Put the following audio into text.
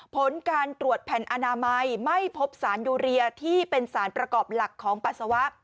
ผลการตรวจแผ่นอนามัยไม่พบสารยูเรียที่เป็นสารประกอบหลักของปัสสาวะ